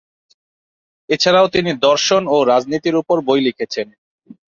এছাড়াও তিনি দর্শন ও রাজনীতির উপর বই লিখেছেন।